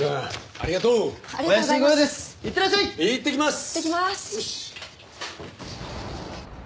いってきます！